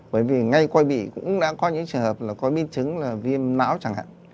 bởi vì ngay quay bị cũng đã có những trường hợp là có miên chứng là viêm não chẳng hạn